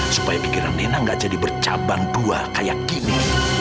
supaya pikiran nena gak jadi bercabang dua kayak gini